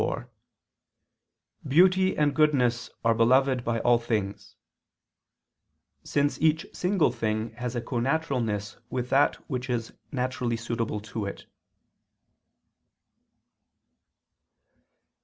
iv), "Beauty and goodness are beloved by all things"; since each single thing has a connaturalness with that which is naturally suitable to it.